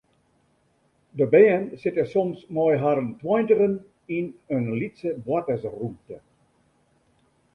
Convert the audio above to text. De bern sitte soms mei harren tweintigen yn in lytse boartersrûmte.